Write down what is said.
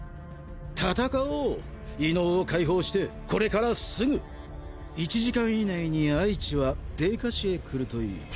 戦おう異能を解放してこれからすぐ１時間以内に愛知は泥花市へ来るといい。